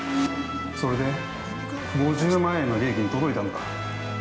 ◆それで、５０万円の利益に届いたのか。